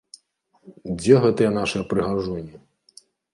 Дзе гэтыя нашы прыгажуні?